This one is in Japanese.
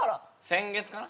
先月かな。